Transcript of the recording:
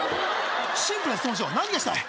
シンプルな質問しよう何がしたい？